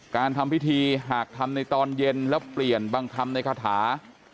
การทำพิธีหากทำในตอนเย็นแล้วเปลี่ยนบางคำในคาถา